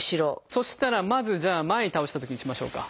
そしたらまずじゃあ前に倒したときにしましょうか。